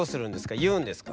言うんですか？